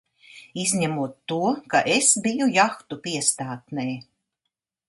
Izņemot to, ka es biju jahtu piestātnē!